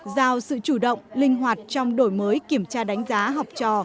giao sự chủ động linh hoạt trong đổi mới kiểm tra đánh giá học trò